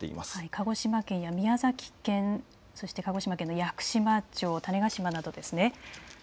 鹿児島県や宮崎県、鹿児島県の屋久島町、種子島などですね。